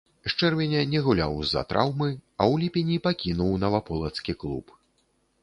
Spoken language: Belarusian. З чэрвеня не гуляў з-за траўмы, а ў ліпені пакінуў наваполацкі клуб.